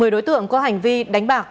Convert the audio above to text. một mươi đối tượng có hành vi đánh bạc